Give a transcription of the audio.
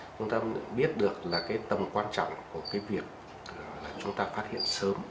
chúng ta biết được là cái tầm quan trọng của cái việc là chúng ta phát hiện sớm